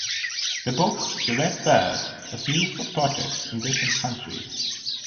The book "The red bird" was used for projects in different countries.